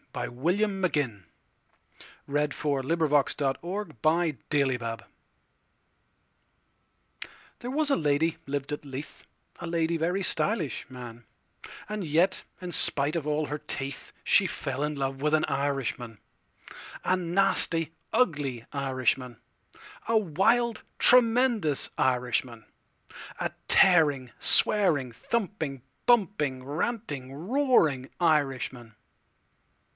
William Maginn 1793–1842 The Irishman and the Lady Maginn W THERE was a lady liv'd at Leith,A lady very stylish, man; And yet, in spite of all her teeth, She fell in love with an Irishman—A nasty, ugly Irishman,A wild, tremendous Irishman,A tearing, swearing, thumping, bumping, ranting, roaring Irishman.